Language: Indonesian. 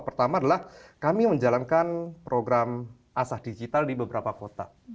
pertama adalah kami menjalankan program asah digital di beberapa kota